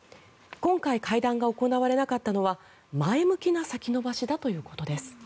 今回、会談が行われなかったのは前向きな先延ばしだということです。